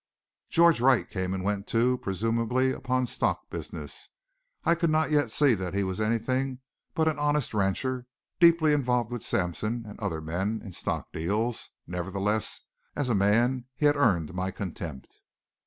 George Wright came and went, too, presumably upon stock business. I could not yet see that he was anything but an honest rancher, deeply involved with Sampson and other men in stock deals; nevertheless, as a man he had earned my contempt.